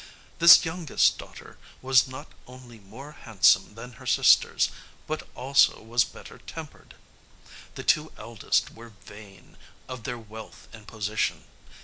This youngest daughter was not only more handsome than her sisters, but also was better tempered. The two eldest were vain of their wealth and position.